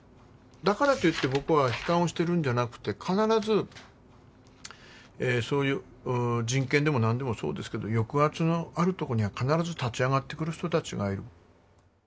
だからといって僕は悲観をしているんじゃなくて必ずそういう人権でもなんでもそうですけど抑圧のあるとこには必ず立ち上がってくる人たちがいる。